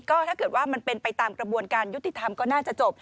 ก็ถ้าเกิดว่ามันเป็นไปตามกระบวนการยุติธรรมก็น่าจะจบ